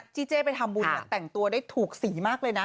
เจ๊ไปทำบุญแต่งตัวได้ถูกสีมากเลยนะ